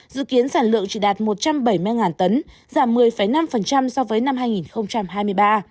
dự kiến sản lượng chỉ đạt một trăm bảy mươi tấn giảm một mươi năm so với năm hai nghìn hai mươi ba